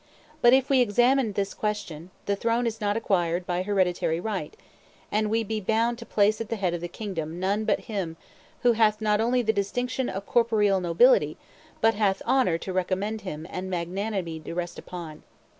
But if we examine this question, the throne is not acquired by hereditary right, and we be bound to place at the head of the kingdom none but him who not only hath the distinction of corporeal nobility, but hath also honor to recommend him and magnanimity to rest upon.